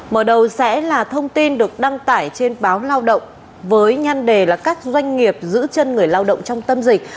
mở đầu sẽ là thông tin được đăng tải trên báo lao động với nhan đề là các doanh nghiệp giữ chân người lao động trong tâm dịch